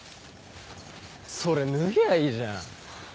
それ脱ぎゃいいじゃん。